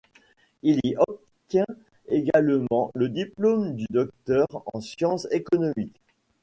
Il y obtient également le diplôme de docteur en sciences économiques.